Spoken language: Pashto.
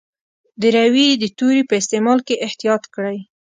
د روي د توري په استعمال کې احتیاط کړی.